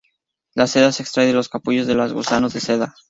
La seda se extrae de los capullos de los gusanos de seda.